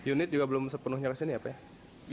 unit juga belum sepenuhnya kesini apa ya